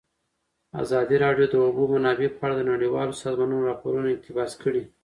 ازادي راډیو د د اوبو منابع په اړه د نړیوالو سازمانونو راپورونه اقتباس کړي.